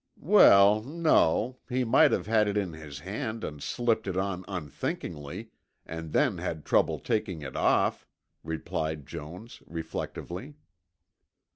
"Well, no, he might have had it in his hand and slipped it on unthinkingly, and then had trouble taking it off," replied Jones, reflectively.